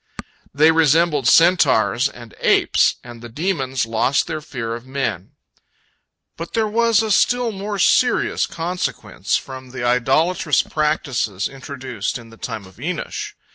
They resembled centaurs and apes, and the demons lost their fear of men. But there was a still more serious consequence from the idolatrous practices introduced in the time of Enosh.